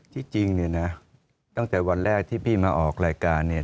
จริงเนี่ยนะตั้งแต่วันแรกที่พี่มาออกรายการเนี่ย